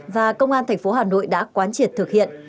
và công an tp hà nội đã quán triệt thực hiện